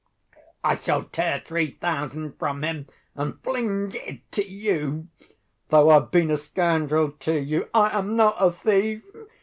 I shall tear three thousand from him and fling it to you. Though I've been a scoundrel to you, I am not a thief!